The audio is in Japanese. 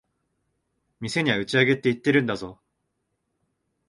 店には打ち上げって言ってるんだぞ。